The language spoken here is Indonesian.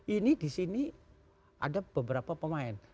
ini di sini ada beberapa pemain